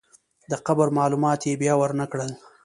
د قبر معلومات یې بیا ورنکړل.